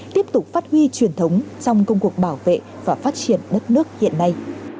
tiếp tục phát huy truyền thống trong công cuộc bảo vệ và phát triển đất nước hiện nay